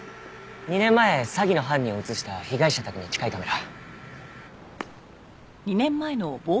２年前詐欺の犯人を映した被害者宅に近いカメラ。